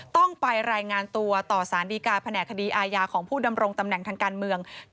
ต้องไปรายงานตัวต่อสารดีการแผนกคดีอาญาของผู้ดำรงตำแหน่งทางการเมือง